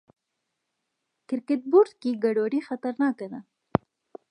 کرکټ بورډ کې ګډوډي خطرناکه ده.